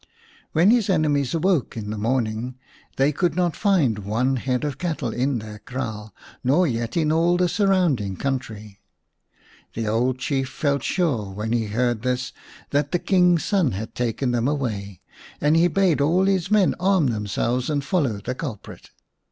When his enemies woke in the morning they could not find one head of cattle in their kraal, nor yet in all the surrounding country. The old Chief felt sure when he heard this that the King's son had taken them away, and he bade all his men arm themselves and follow the culprit.